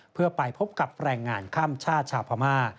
เพื่อไปพบกับแรงงานข้ามชาติชาวพม่า